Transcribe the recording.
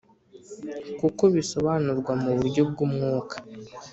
kuko bisobanurwa mu buryo bw'Umwuka.